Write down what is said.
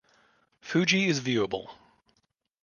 Fuji is viewable.